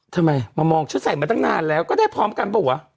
ทำไมมามองชุดใส่มาตั้งนานแล้วก็ได้พร้อมกันเปล่าวะ